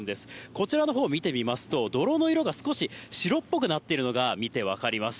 こちらのほう見てみますと、泥の色が少し白っぽくなっているのが見て分かります。